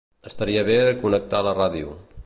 Estaria bé connectar la ràdio.